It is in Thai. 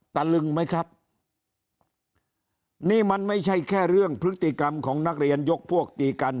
ตะลึงไหมครับนี่มันไม่ใช่แค่เรื่องพฤติกรรมของนักเรียนยกพวกตีกัน